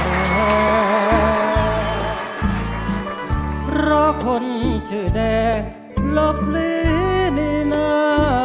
เพราะคนชื่อแดงหลบเลในนา